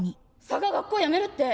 サガ学校やめるって。